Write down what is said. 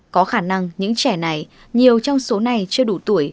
có khả năng những trẻ này nhiều trong số này chưa đủ tuổi